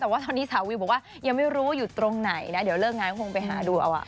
แต่ว่าตอนนี้สาววิวบอกว่ายังไม่รู้ว่าอยู่ตรงไหนนะเดี๋ยวเลิกงานก็คงไปหาดูเอา